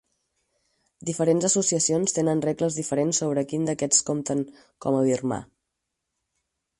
Diferents associacions tenen regles diferents sobre quin d'aquests compten com a Birmà.